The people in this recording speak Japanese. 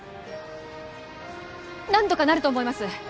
なんとかなると思います